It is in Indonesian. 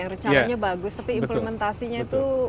rencananya bagus tapi implementasinya itu